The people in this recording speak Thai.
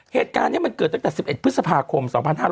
เหตุการณ์นี้มันเกิดตั้งแต่๑๑พฤษภาคม๒๕๕๙